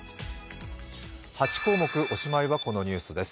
８項目、おしまいはこのニュースです。